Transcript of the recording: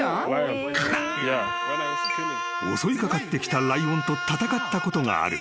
［襲い掛かってきたライオンと戦ったことがある］